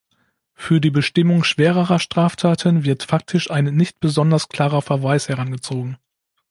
Für die Bestimmung schwerer Straftaten wird faktisch ein nicht besonders klarer Verweis herangezogen.